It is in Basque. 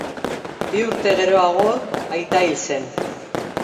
Bi urte geroago aita hil zen.